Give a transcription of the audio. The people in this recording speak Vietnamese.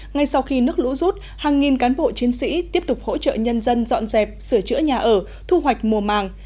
ngay sau khi nước lũ rút hàng nghìn cán bộ chiến sĩ tiếp tục hỗ trợ nhân dân dọn dẹp sửa chữa nhà ở thu hoạch mùa màng